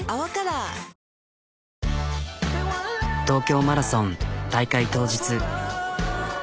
東京マラソン大会当日。